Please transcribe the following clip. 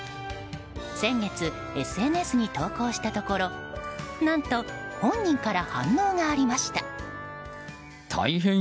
先月ＳＮＳに投稿したところ何と、本人から反応がありました。